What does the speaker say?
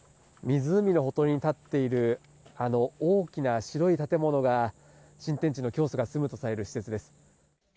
湖のほとりに建っている、あの大きな白い建物が、新天地の教祖が住むとされる施設です。